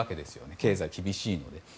経済が厳しいので。